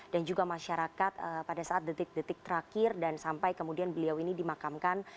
dan juga masyarakat pada saat detik detik terakhir dan sampai kemudian beliau ini dimakamkan